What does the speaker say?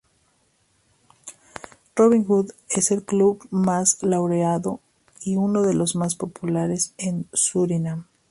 Robinhood es el club más laureado y uno de los más populares en Surinam.